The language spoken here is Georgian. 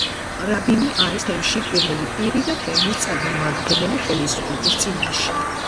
რაბინი არის თემში პირველი პირი და თემის წარმომადგენელი ხელისუფლების წინაშე.